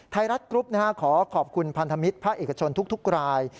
ไทยรัฐกรุ๊ปขอขอบคุณพันธมิตรภาคเอกชนทุกราย